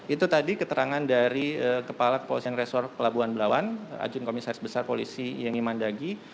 itu tadi keterangan dari kepala kepolisian resor pelabuhan belawan ajun komisaris besar polisi yengi mandagi